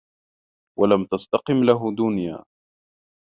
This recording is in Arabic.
وَلَمْ تَسْتَقِمْ لَهُ دُنْيَا